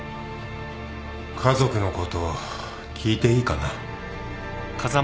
家族のこと聞いていいかな？